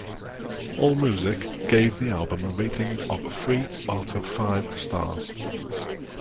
Allmusic gave the album a rating of three out of five stars.